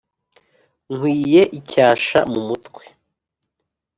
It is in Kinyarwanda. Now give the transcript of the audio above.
Nkwiye icyasha mu mutwe